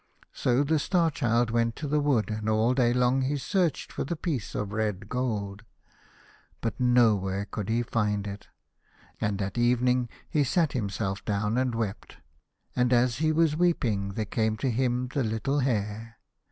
So the Star Child went to the wood, and all day long he searched for the piece of red gold, but nowhere could he find it. And at evening he sat him down, and wept, and as he was weeping there came to him the little Hare.